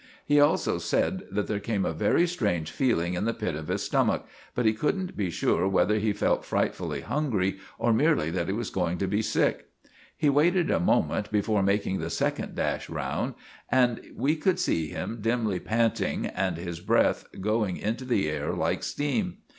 He also said that there came a very strange feeling in the pit of his stomach, but he couldn't be sure whether he felt frightfully hungry, or merely that he was going to be sick. He waited a moment before making the second dash round, and we could see him dimly panting, and his breath going into the air like steam.